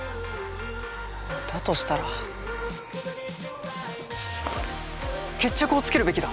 だとしたら決着をつけるべきだ。